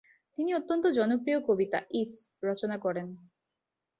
তিনি অত্যন্ত জনপ্রিয় কবিতা ইফ - রচনা করেন।